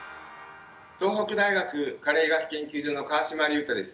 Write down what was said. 東北大学加齢医学研究所の川島隆太です。